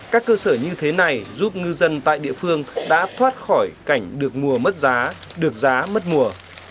các cơ sở như thế này giúp ngư dân tại địa phương đã thoát khỏi cảnh được mua mất giá được giá mất mùa